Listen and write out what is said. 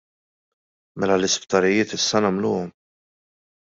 Mela l-isptarijiet issa nagħmluhom?